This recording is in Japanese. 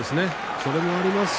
それもありますし